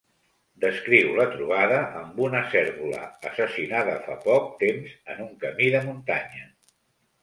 Descriu la trobada amb una cérvola assassinada fa poc temps en un camí de muntanya.